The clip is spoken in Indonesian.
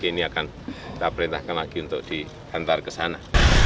ini akan kita perintahkan lagi untuk dihantar ke sana